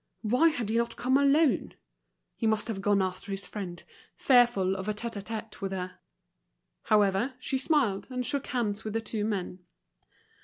Why had he not come alone? He must have gone after his friend, fearful of a tête à tête with her. However, she smiled and shook hands with the two men.